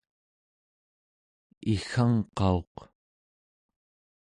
iggangqauq